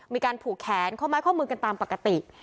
มีการผูกแขนข้อไม้ข้อมือกันตามปกติ